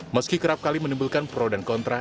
meski kerap kali menimbulkan pro dan kontra